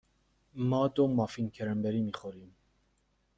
ما دو مافین کرنبری می خوریم.